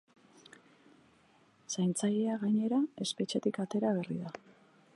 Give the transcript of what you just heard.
Zaintzailea, gainera, espetxetik atera berri da.